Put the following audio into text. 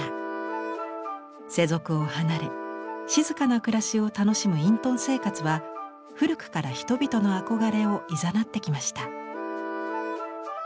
世俗を離れ静かな暮らしを楽しむ隠遁生活は古くから人々の憧れをいざなってきました。